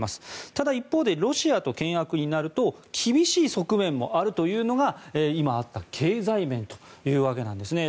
ただ、一方でロシアと険悪になると厳しい側面もあるというのが今、あった経済面というわけなんですね。